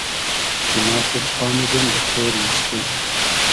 کی ما خوب فامیدۉم دۂ خۉری از تو